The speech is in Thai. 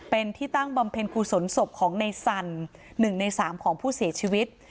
เป็นที่ตั้งบำเพ็ญกุศลศพของในสัน๑ใน๓ของผู้เสียชีวิต